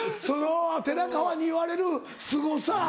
寺川に言われるすごさ。